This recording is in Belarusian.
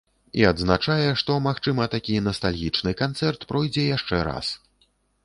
І адзначае, што магчыма, такі настальгічны канцэрт пройдзе яшчэ раз.